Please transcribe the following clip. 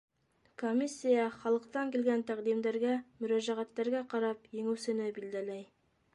Комиссия халыҡтан килгән тәҡдимдәргә, мөрәжәғәттәргә ҡарап еңеүсене билдәләй.